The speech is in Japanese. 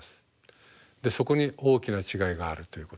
でそこに大きな違いがあるということ。